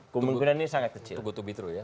tugu tugi terus ya